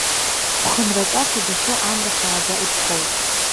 Ԥхынраҵас адәахьы амра хааӡа иԥхоит.